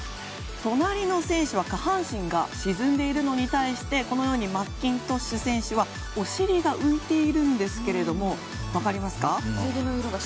隣の選手は下半身が沈んでいるのに対してマッキントッシュ選手はお尻が浮いているんですが分かりますか？